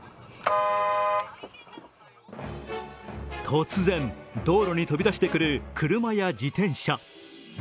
突然、道路に飛び出してくる車や自転車。